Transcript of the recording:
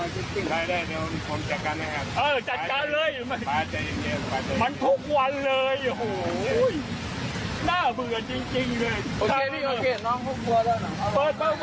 ในตัวนี้นักที่สูจน์ตรงนี้ไม่เยอะนะครับ